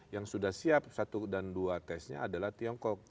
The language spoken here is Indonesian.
yang sudah siap satu dan dua tesnya adalah tiongkok